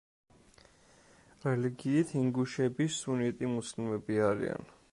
რელიგიით ინგუშები სუნიტი მუსლიმები არიან.